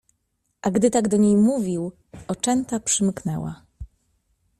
A gdy tak do niej mówił oczęta przymknęła